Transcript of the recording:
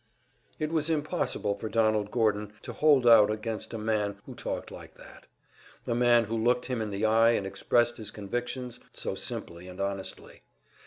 It was impossible for Donald Gordon to hold out against a man who talked like that; a man who looked him in the eye and expressed his convictions so simply and honestly.